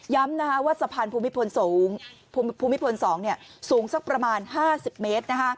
ว่าสะพานภูมิพล๒สูงสักประมาณ๕๐เมตร